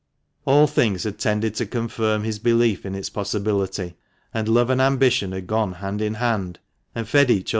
All things had tended to confirm his belief in its possibility, and love and ambition had gone hand in hand, and fed each other.